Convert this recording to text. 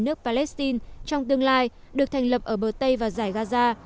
nước palestine trong tương lai được thành lập ở bờ tây và giải gaza